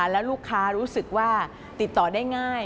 แล้วลูกค้ารู้สึกว่าติดต่อได้ง่าย